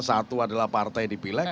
satu adalah partai yang dipilih